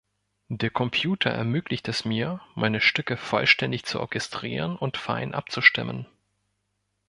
Der Computer ermöglicht es mir, meine Stücke vollständig zu orchestrieren und fein abzustimmen.